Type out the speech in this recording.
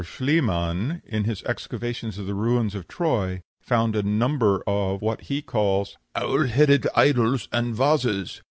Schliemann, in his excavations of the ruins of Troy, found a number of what he calls "owl headed idols" and vases.